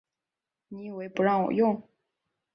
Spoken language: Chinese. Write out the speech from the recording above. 你以为不让我用